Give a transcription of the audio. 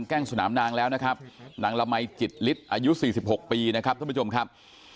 แก้งสนามนางแล้วนะครับนางละมัยจิตฤทธิอายุ๔๖ปีนะครับท่านผู้ชมครับ